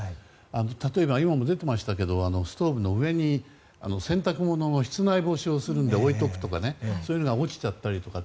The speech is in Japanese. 例えば、今も出ていましたがストーブの上に洗濯物の室内干しをするので置いておくとかそういうのが落ちたりするとか。